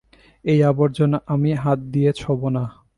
এই আবর্জনা আমি হাত দিয়ে ছোঁব না।